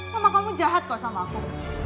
mama kamu jahat kok sama aku